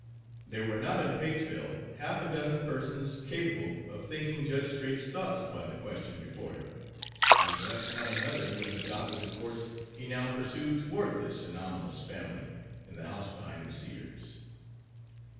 There were not in Patesville half a dozen persons capable of thinking Judge Straight's thoughts upon the question before him, and perhaps not another who would have adopted the course he now pursued toward this anomalous family in the house behind the cedars.